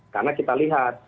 karena kita lihat